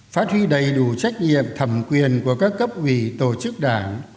phát huy đầy đủ trách nhiệm thẩm quyền của các cấp ủy tổ chức đảng